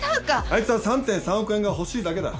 あいつは３．３億円が欲しいだけだ。